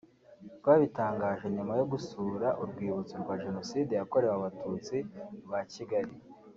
rwabitangaje nyuma yo gusura Urwibutso rwa Jenoside yakorewe abatutsi rwa Kigali